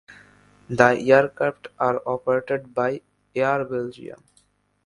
The aircraft are operated by Air Belgium.